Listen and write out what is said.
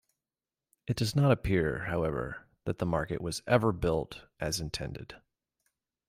It does not appear, however, that the market was ever built as intended.